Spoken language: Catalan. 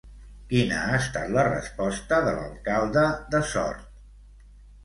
Quina ha estat la resposta de l'alcalde de Sort?